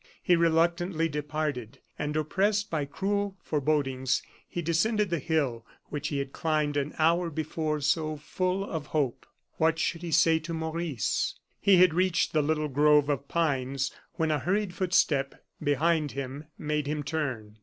He reluctantly departed, and oppressed by cruel forebodings, he descended the hill which he had climbed an hour before so full of hope. What should he say to Maurice? He had reached the little grove of pines when a hurried footstep behind him made him turn.